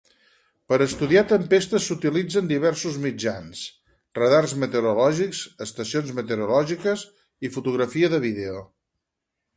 Per estudiar tempestes s'utilitzen diversos mitjans: radars meteorològics, estacions meteorològiques i fotografia de vídeo.